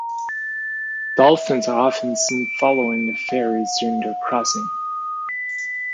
Dolphins are often seen following the ferries during their crossing.